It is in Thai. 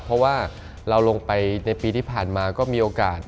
เพราะว่าเราลงไปในปีที่ผ่านมาก็มีโอกาส